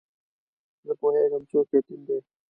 زه پوهېږم څوک یتیم دی.